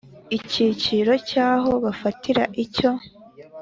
Icyiciro cya aho bafatira icyo